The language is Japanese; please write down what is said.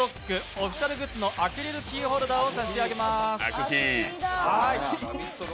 オフィシャルグッズのアクリルキーホルダーを差し上げます。